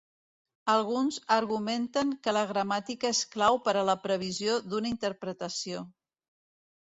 Alguns argumenten que la gramàtica és clau per a la previsió d'una interpretació.